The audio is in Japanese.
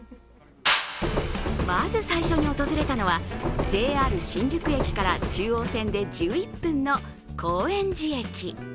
まず最初に訪れたのはＪＲ新宿駅から中央線で１１分の高円寺駅。